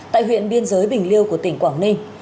tại huyện biên giới bình liêu của tỉnh quảng ninh